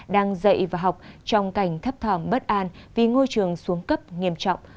đang dậy và học trong cảnh thấp thởm bất an vì ngôi trường xuống cấp nghiêm trọng